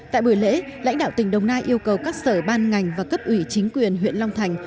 tại buổi lễ lãnh đạo tỉnh đồng nai yêu cầu các sở ban ngành và cấp ủy chính quyền huyện long thành